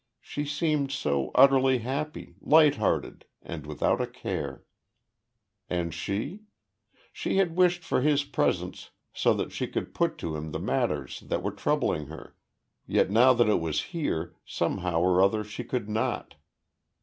She seemed so utterly happy, lighthearted, and without a care. And she? She had wished for his presence so that she could put to him the matters that were troubling her, yet now that it was here, somehow or other she could not.